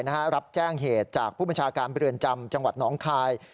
แล้วที่ก็รับแจ้งเหตุจากผู้บริชาการเปรือนจำจังหวัดหนองคาย